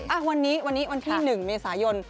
อ่ะวันนี้วันที่๑เมษายน